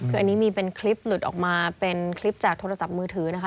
คืออันนี้มีเป็นคลิปหลุดออกมาเป็นคลิปจากโทรศัพท์มือถือนะคะ